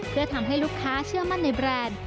เพื่อทำให้ลูกค้าเชื่อมั่นในแบรนด์